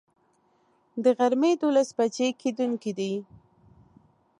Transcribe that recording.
د غرمي دولس بجي کیدونکی دی